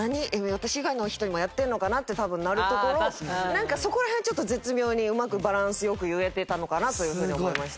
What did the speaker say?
私以外の人にもやってるのかな？って多分なるところをそこら辺をちょっと絶妙にうまくバランス良く言えてたのかなというふうに思いました。